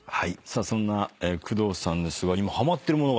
さあそんな工藤さんですが。